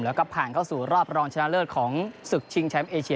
แล้วก็ผ่านเข้าสู่รอบรองชนะเลิศของศึกชิงแชมป์เอเชีย